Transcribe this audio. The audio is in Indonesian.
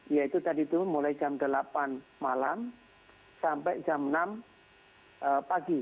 yaitu tadi itu mulai jam delapan malam sampai jam enam pagi